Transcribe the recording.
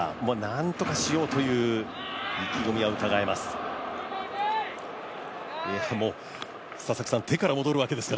なんとかしようという意気込みがうかがえます。